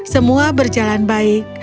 semua berjalan baik